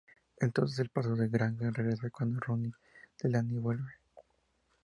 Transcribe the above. Entonces el pasado de Grogan regresa cuando Ronny Delany vuelve.